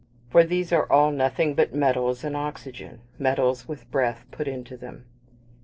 For these are all nothing but metals and oxygen metals with breath put into them.